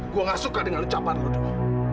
gue gak suka dengan ucapan lo dong